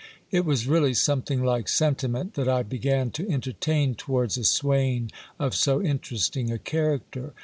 It was really something like sentiment that I began to entertain towards a swain of so interesting a character.